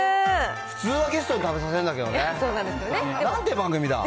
普通はゲストに食べさせるんだけどね。なんて番組だ。